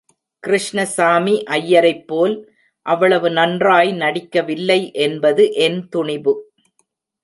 கிருஷ்ணசாமி ஐயரைப் போல் அவ்வளவு நன்றாய் நடிக்கவில்லை என்பது என் துணிபு.